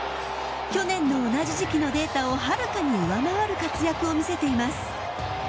去年の同じ時期のデータをはるかに上回る活躍を見せています。